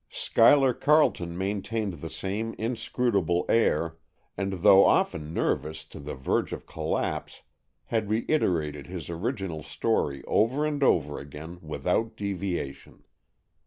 Schuyler Carleton maintained the same inscrutable air, and, though often nervous to the verge of collapse, had reiterated his original story over and over again without deviation.